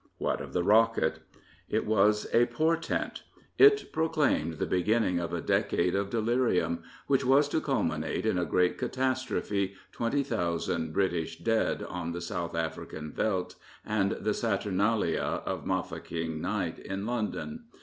What of the rockeT^, r ' It was a portei^. "it proclaimed the beginning of a decade of deluitim, which was to culminate in a great catastrophe, twenty thousand British dead on the South African veldt and the saturnalia of Mafeking night in London.